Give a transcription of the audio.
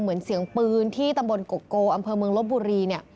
เหมือนเสียงปืนที่ตำบลโกโกอำเภอเมืองลบบุรีเนี่ย